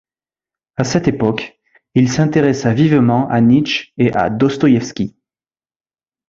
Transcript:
À cette époque, il s'intéressa vivement à Nietzsche et à Dostoïevski.